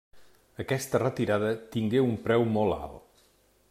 Aquesta retirada tingué un preu molt alt.